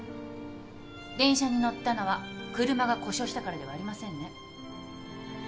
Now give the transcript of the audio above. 電車に乗ったのは車が故障したからではありませんね？